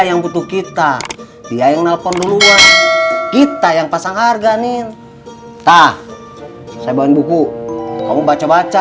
yang butuh kita dia yang nelfon duluan kita yang pasang harganin tak saya bawa buku kamu baca baca